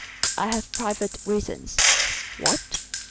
"I have private reasons." "What?"